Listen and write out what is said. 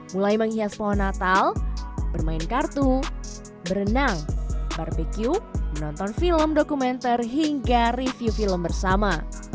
mulai menghias pohon natal bermain kartu berenang barbecue menonton film dokumenter hingga review film bersama